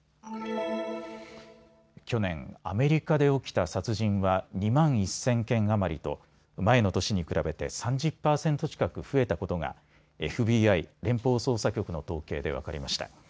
去年、アメリカで起きた殺人は２万１０００件余りと前の年に比べて３０％近く増えたことがＦＢＩ・連邦捜査局の統計で分かりました。